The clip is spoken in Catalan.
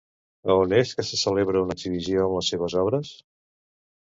A on és que se celebra una exhibició amb les seves obres?